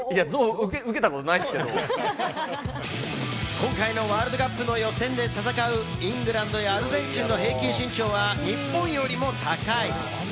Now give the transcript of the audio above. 今回のワールドカップの予選で戦うイングランドやアルゼンチンの平均身長は、日本よりも高い。